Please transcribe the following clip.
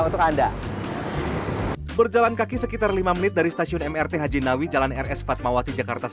untuk anda berjalan kaki sekitar lima menit dari stasiun mrt haji nawi jalan rs fatmawati jakarta